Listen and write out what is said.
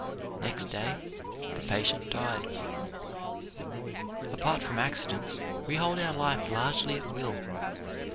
Next day the patient died. Apart from accidents, we hold our life largely at will.